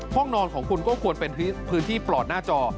ห้องนอนของคุณก็ควรเป็นพื้นที่ปลอดหน้าจอ